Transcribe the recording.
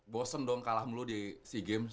bosen dong kalah melu di sea games